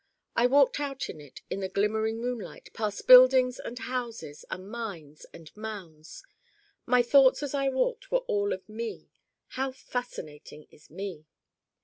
I walked out in it, in the glimmering moonlight past buildings and houses and mines and mounds. My thoughts as I walked were all of Me: how fascinating is Me.